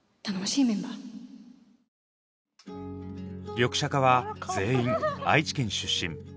リョクシャカは全員愛知県出身。